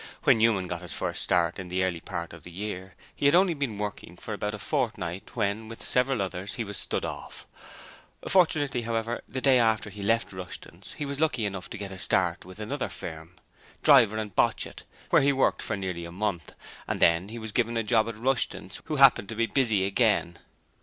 When Newman got his first start in the early part of the year he had only been working for about a fortnight when with several others he was 'stood off'. Fortunately, however, the day after he left Rushtons, he was lucky enough to get a start for another firm, Driver and Botchit, where he worked for nearly a month, and then he was again given a job at Rushton's, who happened to be busy again.